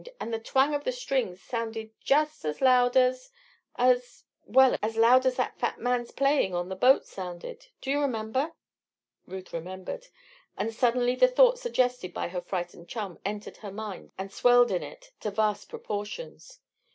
And the twang of the strings sounded just as loud as as well, as loud as that fat man's playing on the boat sounded. Do you remember?" Ruth remembered. And suddenly the thought suggested by her frightened chum entered her mind and swelled in it to vast proportions.